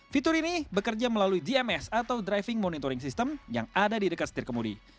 fitur ini bekerja melalui gms atau driving monitoring system yang ada di dekat setir kemudi